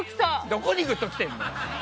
どこにぐっときてんの？